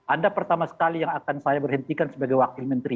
anda pertama sekali yang akan saya berhentikan sebagai wakil menteri